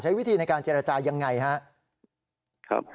ใช้วิธีในการเจราจรยังไงฮะ